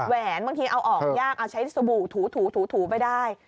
แหวนบางทีเอาออกยากเอาใช้สบู่ถูไปได้